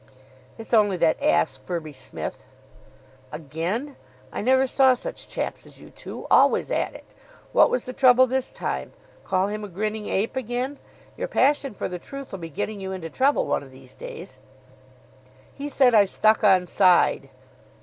"It's only that ass Firby Smith." "Again! I never saw such chaps as you two. Always at it. What was the trouble this time? Call him a grinning ape again? Your passion for the truth'll be getting you into trouble one of these days." "He said I stuck on side."